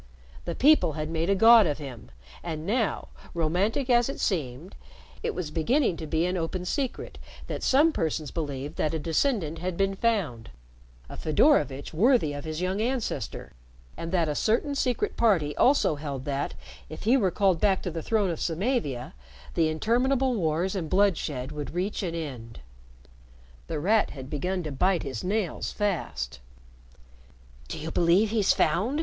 The people had made a god of him, and now, romantic as it seemed, it was beginning to be an open secret that some persons believed that a descendant had been found a Fedorovitch worthy of his young ancestor and that a certain Secret Party also held that, if he were called back to the throne of Samavia, the interminable wars and bloodshed would reach an end. The Rat had begun to bite his nails fast. "Do you believe he's found?"